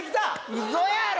うそやろ？